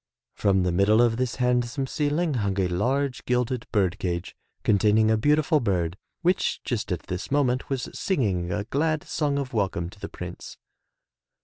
From the middle of this handsome ceiling hung a large gilded bird cage containing a beautiful bird, which just at this moment was singing a glad song of welcome to the Prince.